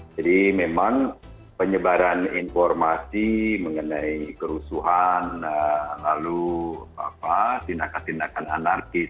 jadi memang penyebaran informasi mengenai kerusuhan lalu sinakan sinakan anarkis